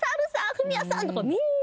フミヤさん！とかみんな。